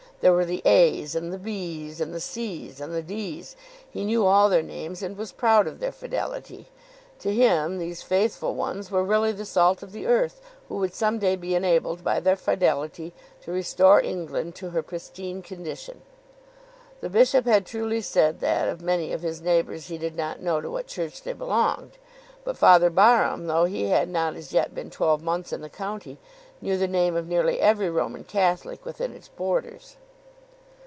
There were the A s and the B s, and the C s and the D s. He knew all their names and was proud of their fidelity. To him these faithful ones were really the salt of the earth, who would some day be enabled by their fidelity to restore England to her pristine condition. The bishop had truly said that of many of his neighbours he did not know to what Church they belonged; but Father Barham, though he had not as yet been twelve months in the county, knew the name of nearly every Roman Catholic within its borders.